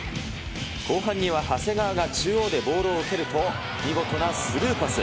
後半には長谷川が中央でボールを受けると、見事なスルーパス。